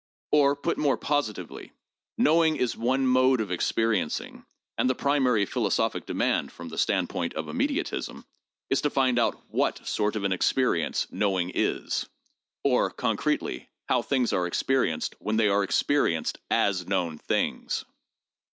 Or, put more positively, knowing is one mode of experiencing, and the primary philosophic demand (from the stand point of immediatism) is to find out what sort of an experience PSYCHOLOGY AND SCIENTIFIC METHODS 575 knowing is — or, concretely how things are experienced when they are experienced as known things.